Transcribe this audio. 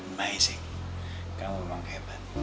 amazing kamu memang hebat